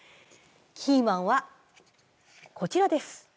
キーマンはこちらです。